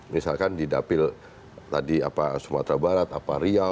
misalkan di dapil tadi apa sumatera barat apa riau